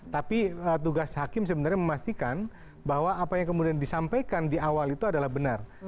tapi tugas hakim sebenarnya memastikan bahwa apa yang kemudian disampaikan di awal itu adalah benar